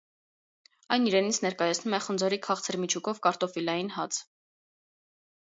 Այն իրենից ներկայացնում է խնձորի քաղցր միջուկով կարտոֆիլային հաց։